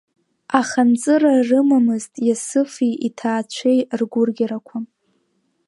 Аха нҵыра рымамызт Иасыфи иҭаацәеи ргәырӷьарақәа.